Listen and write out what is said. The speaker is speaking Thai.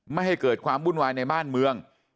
ไม่ให้เกิดความวุ่นวายในบ้านเมือง